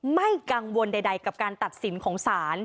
ไม่กังวลใดกับการตัดสินของศาล